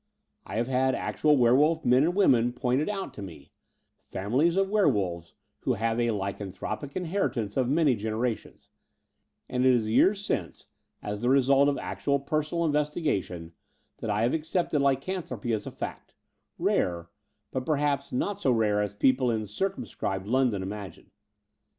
I have had acttial werewolf men and women pointed out to me — ^families of werewolves who have a lycan thropic inheritance of many generations ; and it is years since, as the result of actual personal investi gation, that I have accepted lycanthropy as afact — rare, but perhaps not so rare as people in circum scribed London imagine.